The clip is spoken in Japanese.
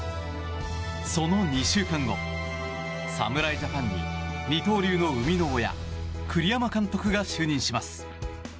その２週間後、侍ジャパンに二刀流の生みの親栗山監督が就任します。